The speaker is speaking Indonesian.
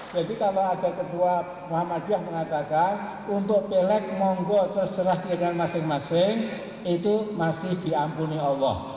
jadi kalau ada kedua muhammadiyah mengatakan untuk pelek monggo terserah diri masing masing itu masih diampuni allah